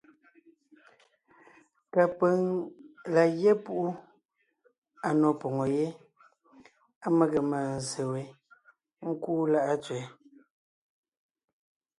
Kapʉ̀ŋ la gyɛ́ púʼu à nò poŋo yé á mege mânzse we ńkúu Láʼa Tsẅɛ.